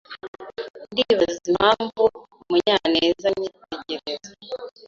Ndibaza impamvu Munyanezanyitegereza.